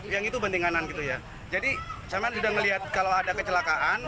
yang itu banding kanan gitu ya jadi saya sudah melihat kalau ada kecelakaan